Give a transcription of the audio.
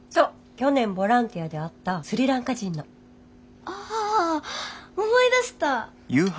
去年ボランティアで会ったスリランカ人の。ああ思い出した。